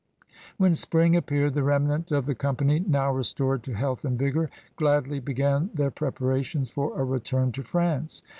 When spring appeared, the remnant of the company, now restored to health and vigor, gladly began their preparations for a return to France.